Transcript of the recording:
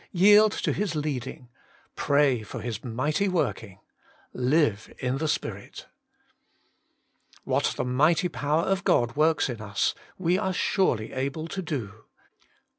Yield to His leading. Pray for His mighty working. Live in the Spirit. 4. What the mighty power of God works In us we are surely able to do.